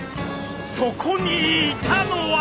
そこにいたのは。